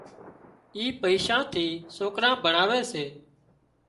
اي پئيشان ٿي سوڪران ڀڻاوي سي